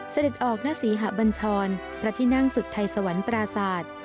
เสด็จออกณศรีหะบัญชรพระที่นั่งสุดไทยสวรรค์ปราศาสตร์